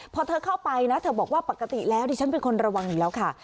พอเธอเข้าไปนะเธอบอกว่าปกติแล้วดิฉันเป็นคนระวังอยู่แล้วค่ะ